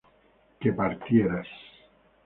que partieras